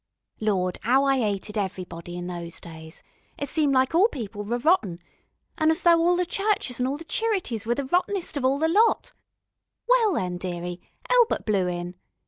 Lawd, 'ow I 'ated everybody in those days. It seemed like people was all rotten, an' as if all the churches an' all the cherities was the rottenest of all the lot. Well, then, dearie, Elbert blew in.